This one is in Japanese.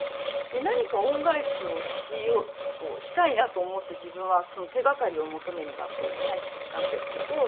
で何か恩返しをしたいなと思って自分は手掛かりを求めに学校に入ったんですけど。